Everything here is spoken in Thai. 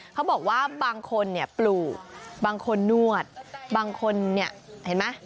เขาบอกว่าบางคนเนี่ยปลูกบางคนนวดบางคนเนี่ยเห็นไหม